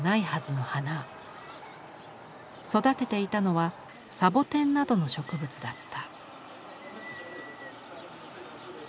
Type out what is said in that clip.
育てていたのはサボテンなどの植物だった。